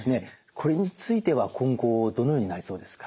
これについては今後どのようになりそうですか？